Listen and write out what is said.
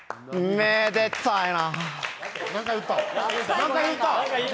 めでたいな。